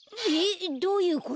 どういうこと？